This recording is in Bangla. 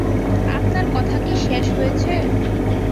আপনার কথা কি শেষ হয়েছে?